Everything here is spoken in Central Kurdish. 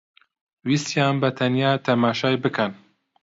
ویستیان بەتەنیا تەماشای بکەن